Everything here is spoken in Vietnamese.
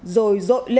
rồi dội lên